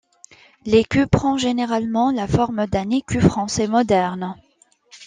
L'écu prend généralement la forme d'un écu français moderne.